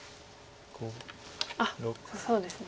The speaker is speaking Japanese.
あっそうですね。